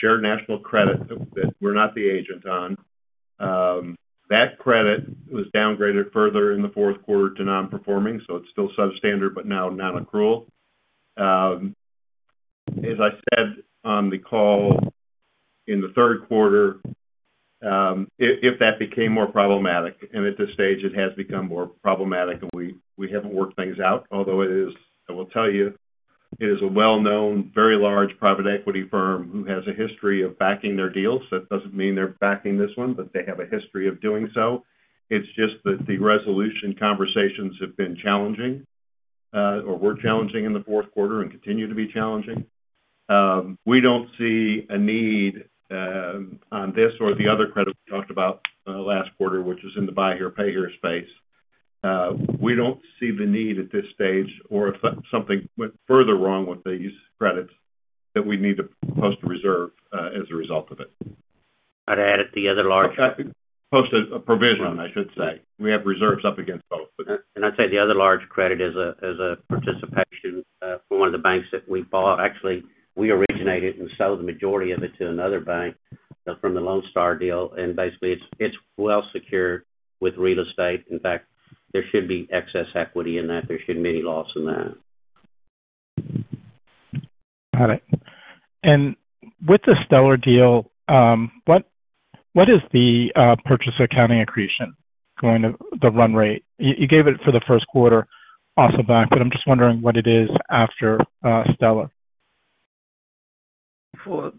Speaker 14: Shared National Credit that, that we're not the agent on. That credit was downgraded further in the fourth quarter to non-performing, so it's still substandard, but now non-accrual. As I said on the call in the third quarter, if, if that became more problematic, and at this stage, it has become more problematic and we, we haven't worked things out, although it is... I will tell you, it is a well-known, very large private equity firm who has a history of backing their deals. That doesn't mean they're backing this one, but they have a history of doing so. It's just that the resolution conversations have been challenging, or were challenging in the fourth quarter and continue to be challenging. We don't see a need on this or the other credit we talked about last quarter, which is in the buy here, pay here space. We don't see the need at this stage or if something went further wrong with these credits that we need to post a reserve, as a result of it.
Speaker 3: I'd add that the other large-
Speaker 14: Post a provision, I should say. We have reserves up against both.
Speaker 3: I'd say the other large credit is a, is a participation from one of the banks that we bought. Actually, we originated and sold the majority of it to another bank from the Lone Star deal, and basically, it's well secured with real estate. In fact, there should be excess equity in that. There shouldn't be any loss in that.
Speaker 16: Got it. And with the Stellar deal, what is the purchase accounting accretion going to the run rate? You gave it for the first quarter off the bat, but I'm just wondering what it is after Stellar.
Speaker 4: So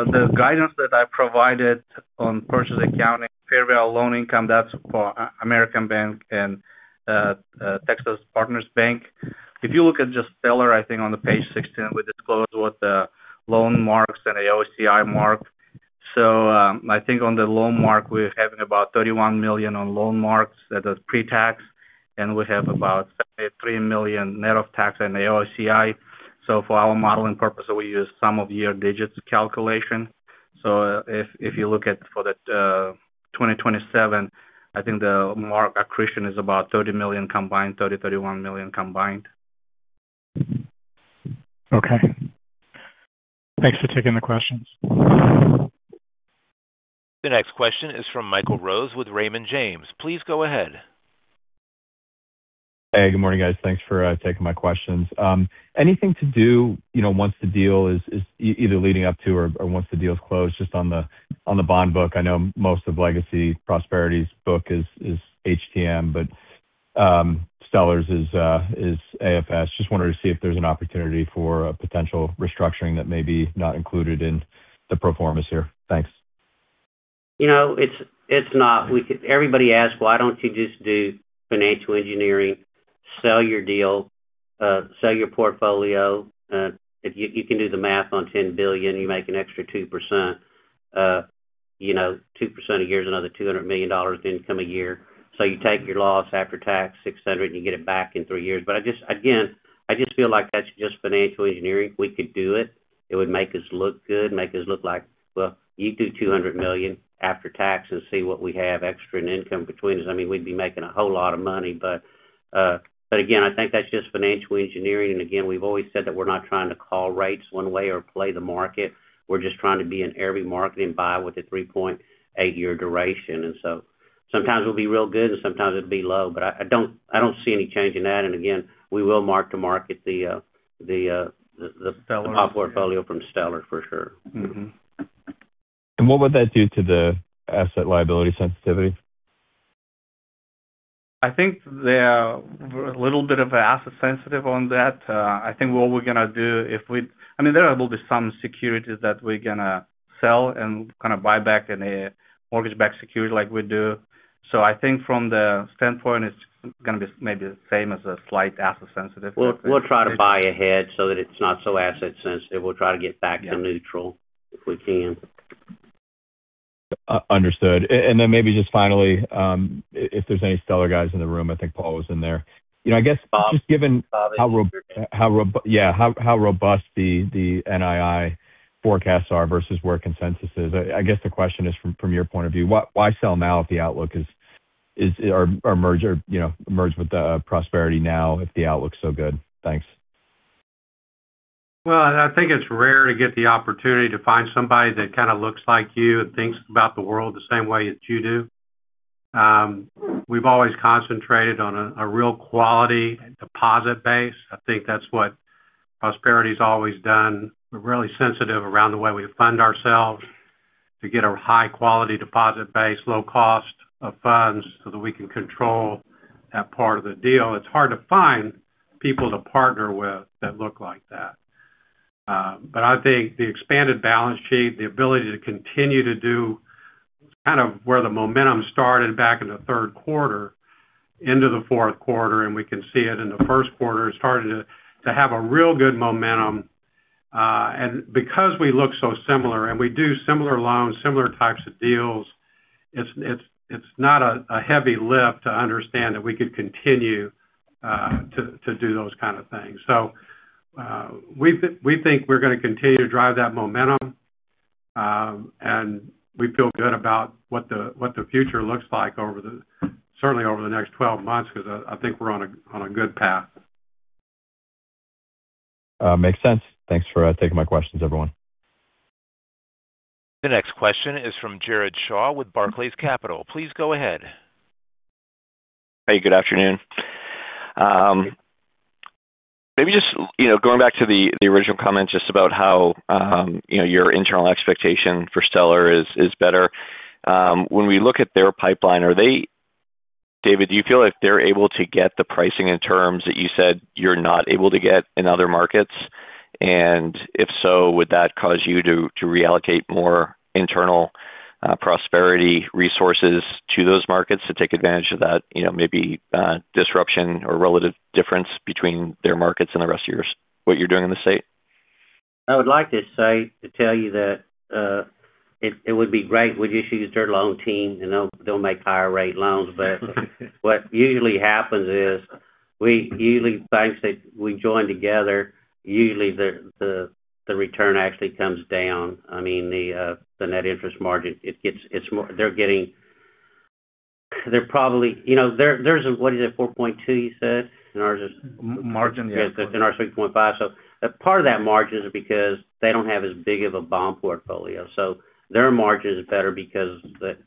Speaker 4: the guidance that I provided on purchase accounting, fair value, loan income, that's for American Bank and Texas Partners Bank. If you look at just Stellar, I think on page 16, we disclose what the loan marks and AOCI marks. So, I think on the loan mark, we're having about $31 million on loan marks at the pre-tax, and we have about $33 million net of tax and AOCI. So for our modeling purpose, we use sum-of-the-years'-digits calculation. So if you look at for the 2027, I think the mark accretion is about $30 million combined, $30, $31 million combined.
Speaker 16: Mm-hmm. Okay. Thanks for taking the questions.
Speaker 1: The next question is from Michael Rose with Raymond James. Please go ahead.
Speaker 17: Hey, good morning, guys. Thanks for taking my questions. Anything to do, you know, once the deal is either leading up to or once the deal is closed, just on the bond book? I know most of Legacy Prosperity's book is HTM, but Stellar's is AFS. Just wanted to see if there's an opportunity for a potential restructuring that may be not included in the pro formas here. Thanks.
Speaker 3: You know, it's not. We, everybody asks, "Why don't you just do financial engineering, sell your deal, sell your portfolio?" If you can do the math on $10 billion, you make an extra 2%. You know, 2% a year is another $200 million income a year. So you take your loss after tax, $600 million, and you get it back in 3 years. But I just... Again, I just feel like that's just financial engineering. We could do it. It would make us look good, make us look like, well, you do $200 million after tax and see what we have extra in income between us. I mean, we'd be making a whole lot of money, but again, I think that's just financial engineering. And again, we've always said that we're not trying to call rates one way or play the market. We're just trying to be in every market and buy with a 3.8-year duration. And so sometimes it'll be real good, and sometimes it'll be low. But I, I don't, I don't see any change in that. And again, we will mark to market the-
Speaker 4: Stellar.
Speaker 3: The top portfolio from Stellar, for sure.
Speaker 17: What would that do to the asset liability sensitivity?
Speaker 4: I think they are a little bit of an asset sensitive on that. I think what we're gonna do I mean, there will be some securities that we're gonna sell and kind of buy back in a mortgage-backed security like we do. So I think from the standpoint, it's gonna be maybe the same as a slight asset sensitive.
Speaker 3: We'll try to buy ahead so that it's not so asset sensitive. We'll try to get back to neutral if we can.
Speaker 17: Understood. And then maybe just finally, if there's any Stellar guys in the room, I think Paul was in there. You know, I guess-
Speaker 3: Bob.
Speaker 17: Just given how robust the NII forecasts are versus where consensus is. I guess the question is from your point of view, why sell now if the outlook is or merge or you know merge with Prosperity now if the outlook's so good? Thanks.
Speaker 18: Well, I think it's rare to get the opportunity to find somebody that kind of looks like you and thinks about the world the same way as you do. We've always concentrated on a real quality deposit base. I think that's what Prosperity has always done. We're really sensitive around the way we fund ourselves to get a high-quality deposit base, low cost of funds, so that we can control that part of the deal. It's hard to find people to partner with that look like that. But I think the expanded balance sheet, the ability to continue to do kind of where the momentum started back in the third quarter into the fourth quarter, and we can see it in the first quarter, starting to have a real good momentum. And because we look so similar and we do similar loans, similar types of deals, it's not a heavy lift to understand that we could continue to do those kind of things. So, we think we're going to continue to drive that momentum, and we feel good about what the future looks like, certainly over the next 12 months, because I think we're on a good path.
Speaker 17: Makes sense. Thanks for taking my questions, everyone.
Speaker 1: The next question is from Jared Shaw with Barclays Capital. Please go ahead.
Speaker 16: Hey, good afternoon. Maybe just, you know, going back to the original comment just about how, you know, your internal expectation for Stellar is better. When we look at their pipeline, are they—David, do you feel like they're able to get the pricing and terms that you said you're not able to get in other markets? And if so, would that cause you to reallocate more internal Prosperity resources to those markets to take advantage of that, you know, maybe disruption or relative difference between their markets and the rest of yours, what you're doing in the state?
Speaker 3: I would like to say, to tell you that it would be great if we just use their loan team, and they'll make higher rate loans. But what usually happens is, banks that we join together, the return actually comes down. I mean, the net interest margin, it gets, it's more. They're probably, you know, there's a—what is it, 4.2, you said? And ours is-
Speaker 18: Margin, yeah.
Speaker 3: Ours is 6.5. So a part of that margin is because they don't have as big of a bond portfolio. So their margin is better because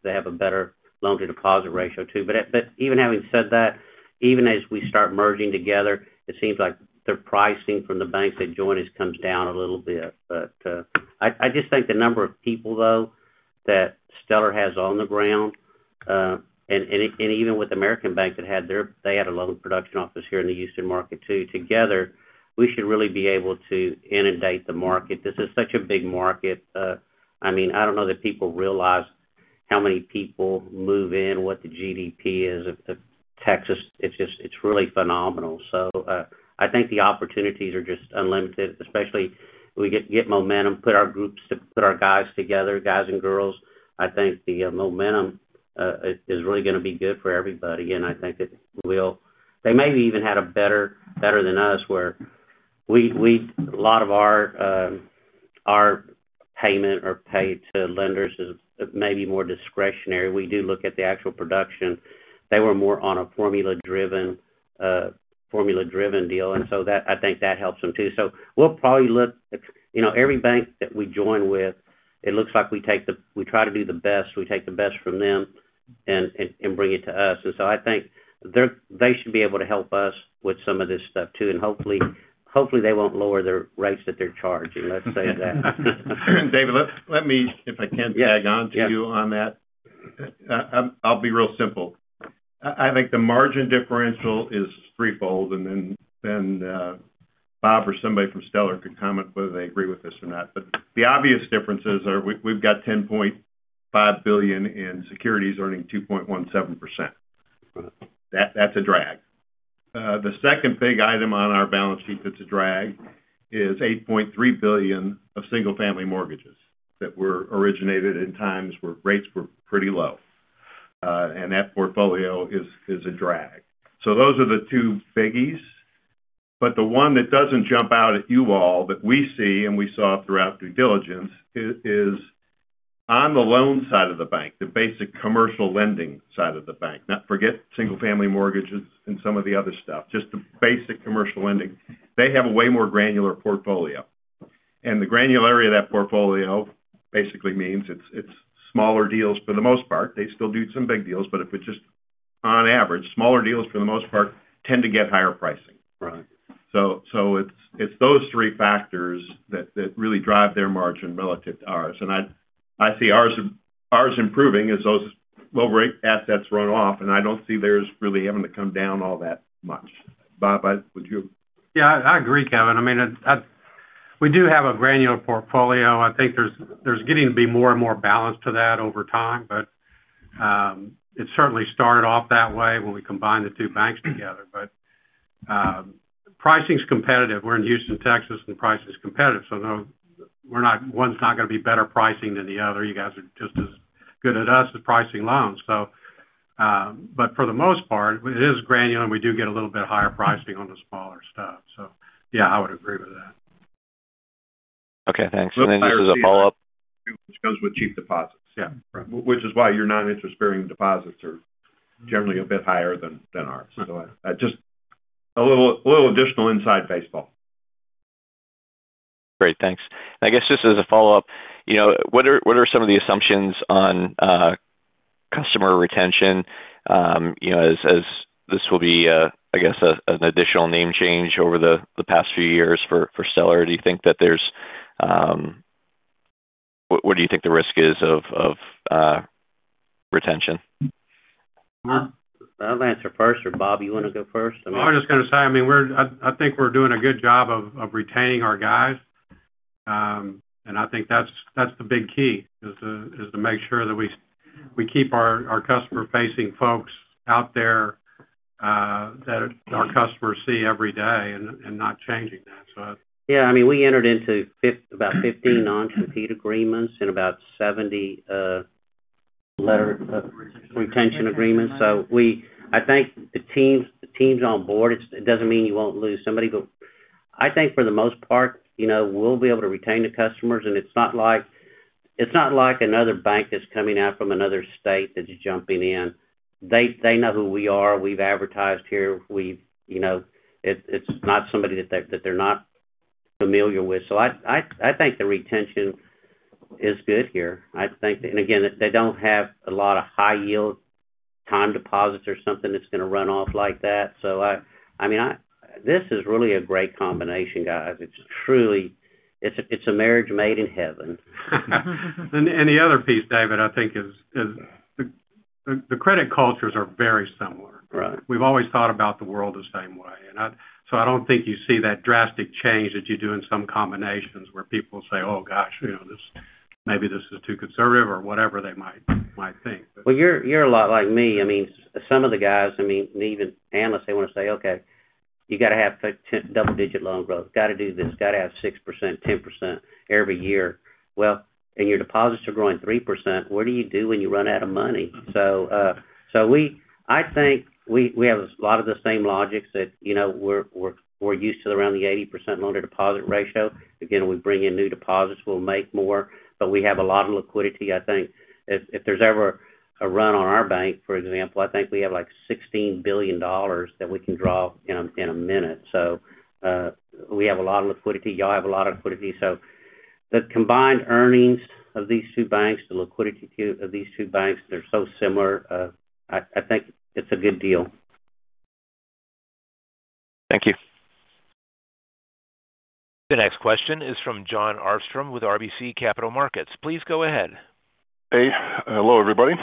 Speaker 3: they have a better loan-to-deposit ratio, too. But even having said that, even as we start merging together, it seems like their pricing from the bank that joined us comes down a little bit. But I just think the number of people, though, that Stellar has on the ground, and even with American Bank that had – they had a loan production office here in the Houston market, too. Together, we should really be able to inundate the market. This is such a big market. I mean, I don't know that people realize how many people move in, what the GDP is of Texas. It's just really phenomenal. So, I think the opportunities are just unlimited, especially we get momentum, put our guys together, guys and girls. I think the momentum is really going to be good for everybody. And I think it will. They maybe even had a better than us, where we a lot of our payment or pay to lenders is maybe more discretionary. We do look at the actual production. They were more on a formula-driven deal, and so that I think that helps them, too. So we'll probably look, you know, every bank that we join with, it looks like we take the. We try to do the best, we take the best from them and bring it to us. And so I think they should be able to help us with some of this stuff, too. And hopefully, hopefully, they won't lower their rates that they're charging, let's say that.
Speaker 14: David, let me, if I can tag on to you on that.
Speaker 3: Yeah.
Speaker 14: I'll be real simple. I think the margin differential is threefold, and then, Bob or somebody from Stellar could comment whether they agree with this or not. But the obvious differences are we, we've got $10.5 billion in securities earning 2.17%. That's a drag. The second big item on our balance sheet that's a drag is $8.3 billion of single-family mortgages that were originated in times where rates were pretty low. And that portfolio is a drag. So those are the two biggies. But the one that doesn't jump out at you all that we see, and we saw throughout due diligence, is on the loan side of the bank, the basic commercial lending side of the bank. No, forget single-family mortgages and some of the other stuff, just the basic commercial lending. They have a way more granular portfolio. The granularity of that portfolio basically means it's smaller deals for the most part. They still do some big deals, but if it's just on average, smaller deals, for the most part, tend to get higher pricing.
Speaker 3: Right.
Speaker 14: So it's those three factors that really drive their margin relative to ours. And I see ours improving as those low rate assets run off, and I don't see theirs really having to come down all that much. Bob, would you?
Speaker 18: Yeah, I agree, Kevin. I mean, we do have a granular portfolio. I think there's getting to be more and more balance to that over time, but it certainly started off that way when we combined the two banks together. But pricing's competitive. We're in Houston, Texas, and pricing is competitive, so no, we're not, one's not going to be better pricing than the other. You guys are just as good as us with pricing loans, so but for the most part, it is granular, and we do get a little bit higher pricing on the smaller stuff. So yeah, I would agree with that.
Speaker 16: Okay, thanks. And then this is a follow-up.
Speaker 18: Which goes with cheap deposits. Yeah. Right. Which is why your non-interest-bearing deposits are generally a bit higher than ours. So, just a little additional inside baseball.
Speaker 16: Great, thanks. I guess just as a follow-up, you know, what are some of the assumptions on customer retention, you know, as this will be, I guess, an additional name change over the past few years for Stellar? Do you think that there's... What do you think the risk is of retention?
Speaker 3: Well, I'll answer first, or, Bob, you want to go first? I mean-
Speaker 18: I was just going to say, I mean, I think we're doing a good job of retaining our guys. And I think that's the big key, is to make sure that we keep our customer-facing folks out there, that our customers see every day and not changing that, so.
Speaker 3: Yeah, I mean, we entered into about 15 non-compete agreements and about 70 letter retention agreements. So we I think the team, the team's on board. It's it doesn't mean you won't lose somebody, but I think for the most part, you know, we'll be able to retain the customers, and it's not like, it's not like another bank that's coming out from another state that's just jumping in. They, they know who we are. We've advertised here. We've... You know, it's, it's not somebody that they're, that they're not familiar with. So I, I, I think the retention is good here. I think... And again, they don't have a lot of high-yield time deposits or something that's going to run off like that. So I I mean, I this is really a great combination, guys. It's truly... It's a, it's a marriage made in heaven.
Speaker 18: And the other piece, David, I think, is the credit cultures are very similar.
Speaker 3: Right.
Speaker 18: We've always thought about the world the same way. And so I don't think you see that drastic change that you do in some combinations, where people say: Oh, gosh, you know, this, maybe this is too conservative, or whatever they might think.
Speaker 3: Well, you're a lot like me. I mean, some of the guys, I mean, even analysts, they want to say: "Okay, you got to have double-digit loan growth. Got to do this, got to have 6%, 10% every year." Well, your deposits are growing 3%. What do you do when you run out of money? So, I think we have a lot of the same logics that, you know, we're used to around the 80% loan-to-deposit ratio. Again, we bring in new deposits, we'll make more, but we have a lot of liquidity. I think if there's ever a run on our bank, for example, I think we have, like, $16 billion that we can draw in in a minute. So, we have a lot of liquidity. Y'all have a lot of liquidity. The combined earnings of these two banks, the liquidity of these two banks, they're so similar. I think it's a good deal.
Speaker 6: Thank you.
Speaker 1: The next question is from Jon Arfstrom with RBC Capital Markets. Please go ahead.
Speaker 19: Hey. Hello, everybody.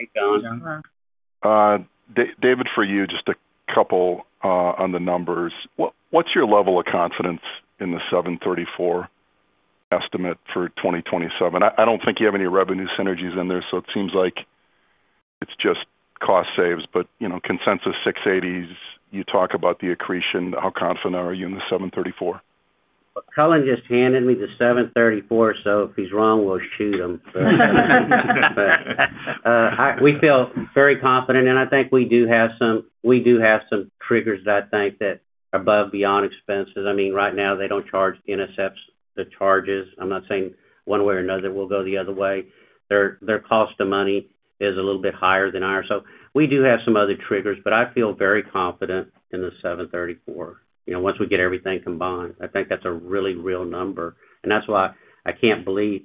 Speaker 3: Hey, Jon.
Speaker 19: David, for you, just a couple on the numbers. What's your level of confidence in the 734 estimate for 2027? I don't think you have any revenue synergies in there, so it seems like it's just cost saves. But, you know, consensus 680s, you talk about the accretion. How confident are you in the 734?
Speaker 3: Well, Cullen just handed me the $7.34, so if he's wrong, we'll shoot him. We feel very confident, and I think we do have some, we do have some triggers that I think that above beyond expenses. I mean, right now, they don't charge NSFs, the charges. I'm not saying one way or another, we'll go the other way. Their cost of money is a little bit higher than ours. So we do have some other triggers, but I feel very confident in the $7.34. You know, once we get everything combined, I think that's a really real number, and that's why I can't believe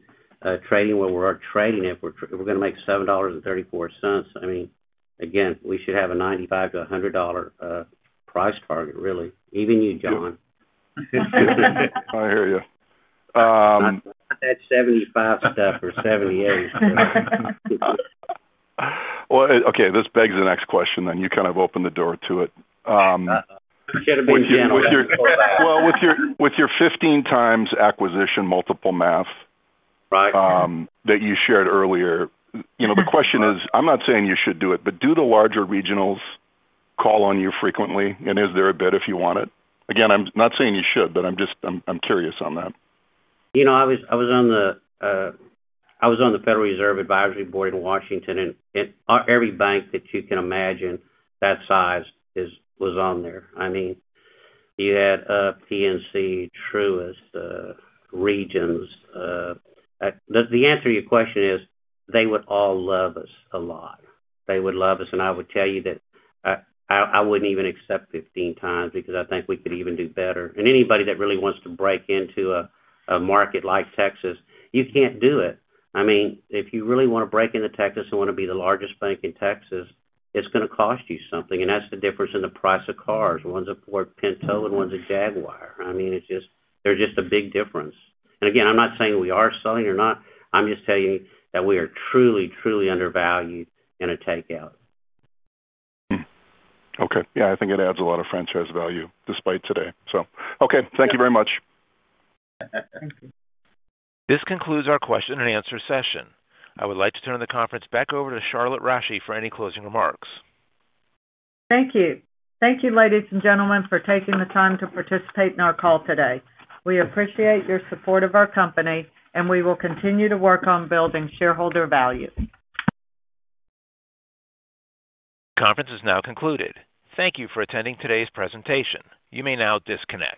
Speaker 3: trading where we're trading if we're gonna make $7.34. I mean, again, we should have a $95-$100 price target, really. Even you, Jon.
Speaker 19: I hear you,
Speaker 3: That 75 stuff or 78.
Speaker 19: Well, okay, this begs the next question, then. You kind of opened the door to it, Well, with your 15 times acquisition multiple math-
Speaker 3: Right...
Speaker 19: that you shared earlier, you know, the question is, I'm not saying you should do it, but do the larger regionals call on you frequently, and is there a bid if you want it? Again, I'm not saying you should, but I'm just curious on that.
Speaker 3: You know, I was on the Federal Reserve Advisory Board in Washington, and it... Every bank that you can imagine that size is, was on there. I mean, you had PNC, Truist, Regions. The answer to your question is, they would all love us a lot. They would love us, and I would tell you that, I wouldn't even accept 15 times because I think we could even do better. And anybody that really wants to break into a market like Texas, you can't do it. I mean, if you really want to break into Texas and want to be the largest bank in Texas, it's gonna cost you something. And that's the difference in the price of cars. One's a Ford Pinto, and one's a Jaguar. I mean, it's just... There's just a big difference. And again, I'm not saying we are selling or not. I'm just telling you that we are truly, truly undervalued in a takeout.
Speaker 19: Hmm. Okay. Yeah, I think it adds a lot of franchise value despite today. So, okay, thank you very much.
Speaker 1: This concludes our question and answer session. I would like to turn the conference back over to Charlotte Rasche for any closing remarks.
Speaker 2: Thank you. Thank you, ladies and gentlemen, for taking the time to participate in our call today. We appreciate your support of our company, and we will continue to work on building shareholder value.
Speaker 1: Conference is now concluded. Thank you for attending today's presentation. You may now disconnect.